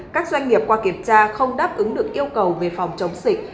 các doanh nghiệp qua kiểm tra không đáp ứng được yêu cầu về phòng chống dịch